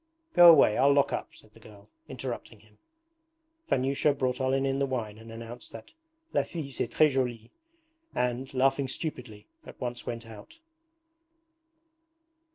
'Go away. I'll lock up,' said the girl, interrupting him. Vanyusha brought Olenin the wine and announced that 'La fille c'est tres joulie,' and, laughing stupidly, at once went out.